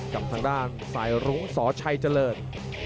กับทางด้านสายรุ้งสชัยเจริญ